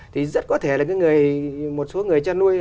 thì rất có thể là một số người chăn nuôi